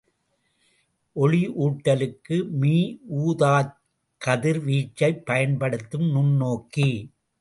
ஒளியூட்டலுக்கு மீஊதாக்கதிர்வீச்சைப் பயன்படுத்தும் நுண்ணோக்கி.